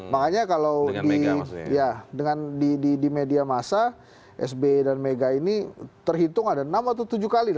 makanya kalau di media masa sby dan mega ini terhitung ada enam atau tujuh kali